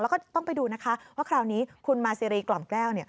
แล้วก็ต้องไปดูนะคะว่าคราวนี้คุณมาซีรีกล่อมแก้ว